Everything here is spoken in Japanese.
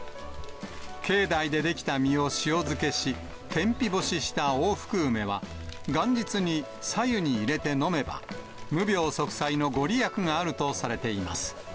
境内で出来た実を塩漬けし、天日干しした大福梅は、元日にさ湯に入れて飲めば、無病息災の御利益があるとされています。